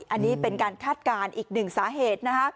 อันนี้เป็นการคาดการณ์อีกหนึ่งสาเหตุนะคะ